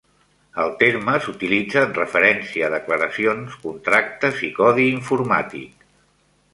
El terme s'utilitza en referència a declaracions, contractes i codi informàtic.